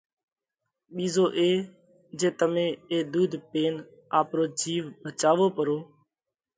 ٻِيزو اي جي تمي اي ۮُوڌ پينَ آپرو جِيوَ ڀچاوو پرو